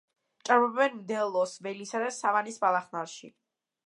ჭარბობენ მდელოს, ველისა და სავანის ბალახნარში.